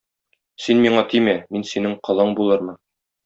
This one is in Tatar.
Син миңа тимә, мин синең колың булырмын.